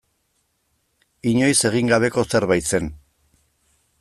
Inoiz egin gabeko zerbait zen.